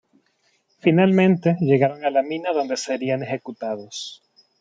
Finalmente llegaron a la mina donde serían ejecutados.